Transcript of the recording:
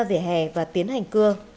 vỉa hè và tiến hành cưa